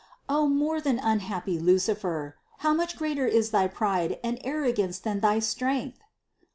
O more than unhappy Lucifer! How much greater is thy pride and arrogance than thy strength!